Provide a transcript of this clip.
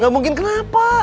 gak mungkin kenapa